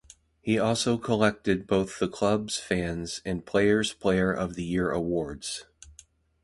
He also collected both the club's Fans' and Players' Player of the Year awards.